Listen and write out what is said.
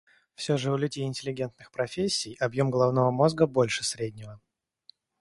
Все же у людей интеллигентных профессий объем головного мозга больше среднего.